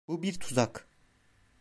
Bu bir tuzak.